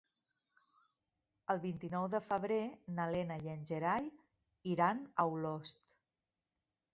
El vint-i-nou de febrer na Lena i en Gerai iran a Olost.